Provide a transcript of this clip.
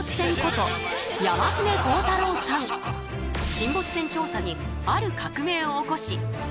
沈没船調査にある革命を起こし世界で大活躍！